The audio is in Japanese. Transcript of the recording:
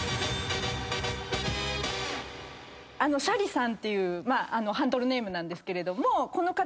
シャリさんっていうハンドルネームなんですけれども。